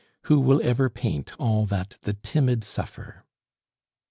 Who will ever paint all that the timid suffer?